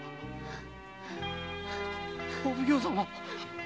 お奉行様。